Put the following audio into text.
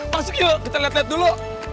masuk yuk kita liat liat dulu